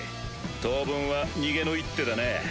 当分は逃げの一手だな。